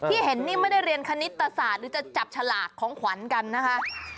เห็นนี่ไม่ได้เรียนคณิตศาสตร์หรือจะจับฉลากของขวัญกันนะคะ